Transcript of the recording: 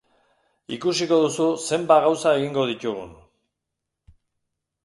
Ikusiko duzu zenbat gauza egingo ditugun.